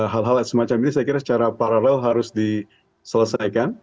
hal hal semacam ini saya kira secara paralel harus diselesaikan